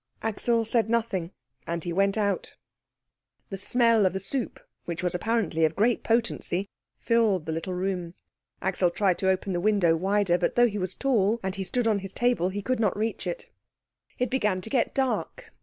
Axel said nothing, and he went out. The smell of the soup, which was apparently of great potency, filled the little room. Axel tried to open the window wider, but though he was tall and he stood on his table, he could not reach it. It began to get dark.